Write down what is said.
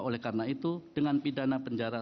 oleh karena itu dengan pidana penjara